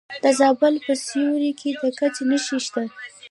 د زابل په سیوري کې د ګچ نښې شته.